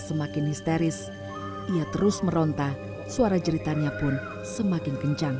semakin histeris ia terus menangis dan menangis ke atas pohon dan menangis ke atas pohon dan menangis